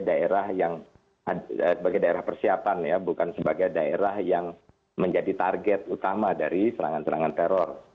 daerah yang sebagai daerah persiapan ya bukan sebagai daerah yang menjadi target utama dari serangan serangan teror